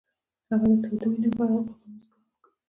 هغې د تاوده مینه په اړه خوږه موسکا هم وکړه.